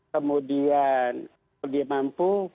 kemudian kalau dia mampu